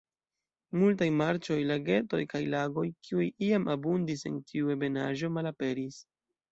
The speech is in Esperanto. Multaj marĉoj, lagetoj kaj lagoj, kiuj iam abundis en tiu ebenaĵo, malaperis.